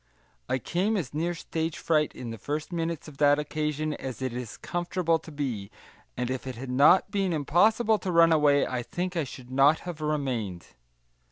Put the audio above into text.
I came as near stage fright in the first minutes of that occasion as it is comfortable to be, and if it had not been impossible to run away I think I should not have remained.